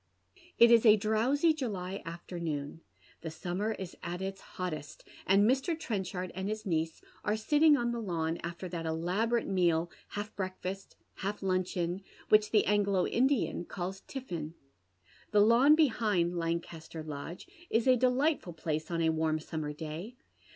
It is a drowsy July afternoon. The summer ia at its hottest, and Mr. Trenchard and his niece are sitting on the lawn after that elaborate meal, half breakfast, half luncheon, which tire Anglo Indian calls tiffin. The lawn behind Lancaster Lodge is a delightful place on a warm summer day.